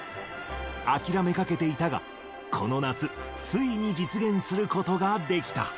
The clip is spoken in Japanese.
諦めかけていたが、この夏、ついに実現することができた。